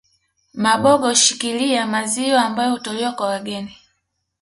Maboga hushikilia maziwa ambayo hutolewa kwa wageni